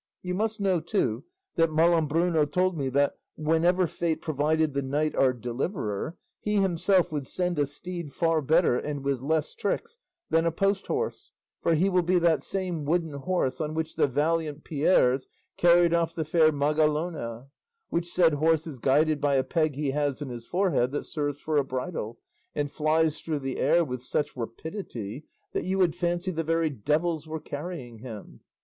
You must know, too, that Malambruno told me that, whenever fate provided the knight our deliverer, he himself would send him a steed far better and with less tricks than a post horse; for he will be that same wooden horse on which the valiant Pierres carried off the fair Magalona; which said horse is guided by a peg he has in his forehead that serves for a bridle, and flies through the air with such rapidity that you would fancy the very devils were carrying him.